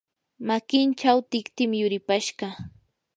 makinchaw tiktim yuripashqa.